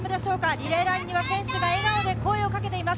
リレーラインには選手が笑顔で声をかけています。